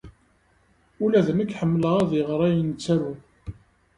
Ula d nekk ḥemmleɣ ad iɣer ayen ttaruɣ.